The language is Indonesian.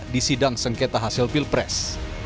di sidang sengketa hasil pilpres